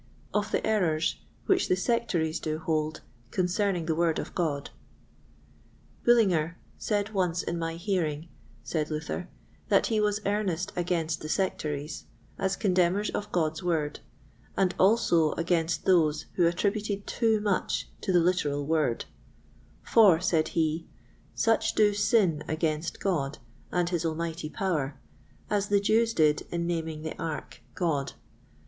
Of the Errors which the Sectaries do hold concerning the Word of God. Bullinger said once in my hearing, said Luther, that he was earnest against the sectaries, as contemners of God's Word, and also against those who attributed too much to the literal Word; for, said he, such do sin against God and his almighty power, as the Jews did in naming the ark "God."